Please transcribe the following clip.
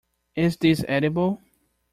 Is this edible?